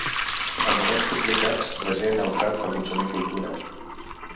En moments complicats, la gent ha optat per consumir cultura.